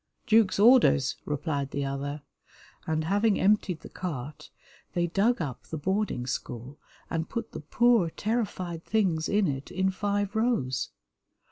"Duke's orders," replied the other, and, having emptied the cart, they dug up the boarding school and put the poor, terrified things in it in five rows.